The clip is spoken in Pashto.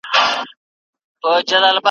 د عربي ژبي د صرف و نحو